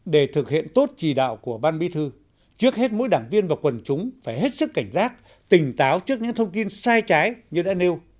để thực hiện tốt chỉ đạo của ban bí thư trước hết mỗi đảng viên và quần chúng phải hết sức cảnh giác tỉnh táo trước những thông tin sai trái như đã nêu